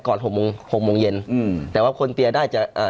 หกโมงหกโมงเย็นอืมแต่ว่าคนเตียได้จะอ่า